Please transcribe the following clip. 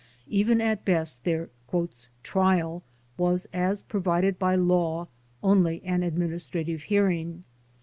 Even at best their "trial*' was, as provided by law, only an administrative hearing.